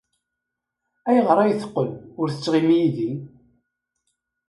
Ayɣer ay teqqel ur tettɣimi yid-i?